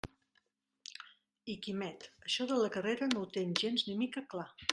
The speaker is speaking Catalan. I Quimet això de la carrera no ho té gens ni mica clar.